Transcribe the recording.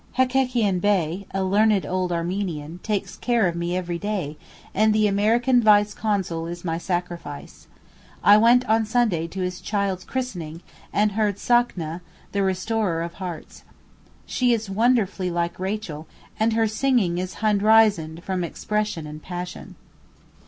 Hekekian Bey, a learned old Armenian, takes care of me every day, and the Amerian Vice Consul is my sacrifice. I went on Sunday to his child's christening, and heard Sakna, the 'Restorer of Hearts.' She is wonderfully like Rachel, and her singing is hinreisend from expression and passion.